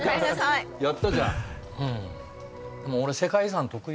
やったじゃん。